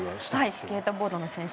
スケートボードの選手